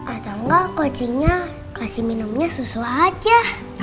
atau enggak kucingnya kasih minumnya susu aja